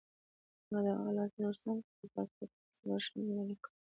ما د هغه لاسونه ورسم کړل او پر کټ مې څلور شمعې بلې کړې.